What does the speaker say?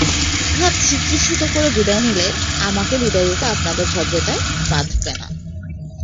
ভাবছি কী ছুতো করে বিদায় নিলে আমাকে বিদায় দিতে আপনাদের ভদ্রতায় বাধবে না।